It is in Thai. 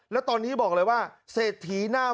แล้วตอนนี้บอกเลยว่าเสร็จถี้หน้ามัน